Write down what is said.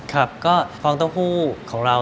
ครับก็ฟองเต้าหู้ของเรา